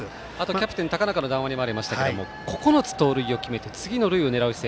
キャプテンの高中の談話にもありましたが９つ盗塁を決めて次の塁を狙う姿勢。